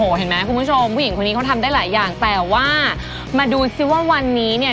เห็นไหมคุณผู้ชมผู้หญิงคนนี้เขาทำได้หลายอย่างแต่ว่ามาดูซิว่าวันนี้เนี่ย